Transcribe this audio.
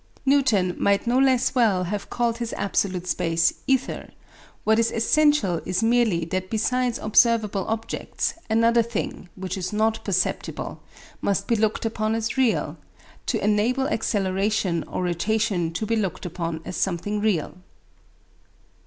Newton might no less well have called his absolute space "Ether"; what is essential is merely that besides observable objects, another thing, which is not perceptible, must be looked upon as real, to enable acceleration or rotation to be looked upon as something real.